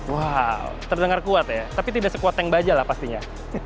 wow terdengar kuat ya tapi tidak sekuat tank baja lah pastinya